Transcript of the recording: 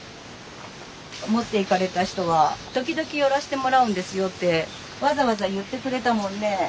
持っていかれた人は「時々寄らしてもらうんですよ」ってわざわざ言ってくれたもんね。